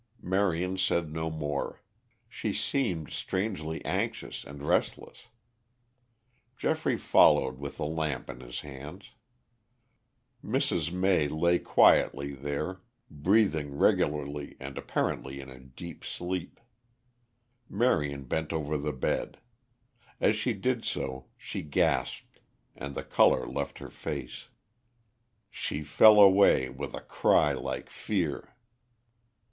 Marion said no more. She seemed strangely anxious and restless. Geoffrey followed with a lamp in his hands. Mrs. May lay quietly there, breathing regularly and apparently in a deep sleep. Marion bent over the bed. As she did so she gasped and the color left her face. She fell away with a cry like fear.